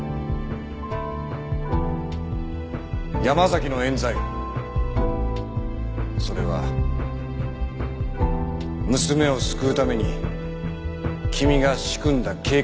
山崎の冤罪それは娘を救うために君が仕組んだ計画だったんだ。